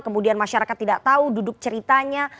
kemudian masyarakat tidak tahu duduk ceritanya